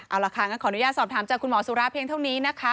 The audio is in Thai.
เอาล่ะค่ะงั้นขออนุญาตสอบถามจากคุณหมอสุราเพียงเท่านี้นะคะ